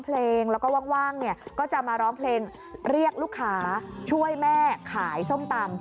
เพลงแล้วก็ว่างเนี่ยก็จะมาร้องเพลงเรียกลูกค้าช่วยแม่ขายส้มตำ